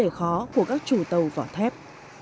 và vấn đề khó của các chủ tàu vỏ thép